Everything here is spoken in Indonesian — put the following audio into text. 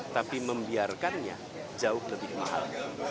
tapi membiarkannya jauh lebih mahal